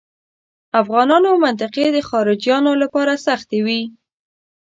افغانانو منطقې د خارجیانو لپاره سختې وې.